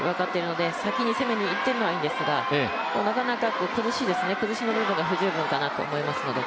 先に攻めにいっているのはいいんですがなかなか苦しいかな崩しの部分が不十分かなと思います。